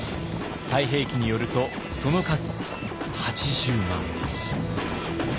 「太平記」によるとその数８０万。